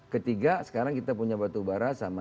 ketiga sekarang kita punya batu bara sama